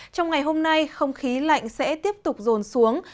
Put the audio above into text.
trong ngày hôm nay không khí lạnh sẽ tiếp tục rồn xuống